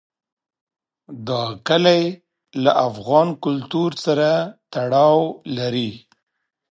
دا کلي له افغان کلتور سره تړاو لري.